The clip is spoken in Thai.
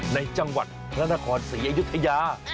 ในจังหวัดพระนครศรีอยุธยา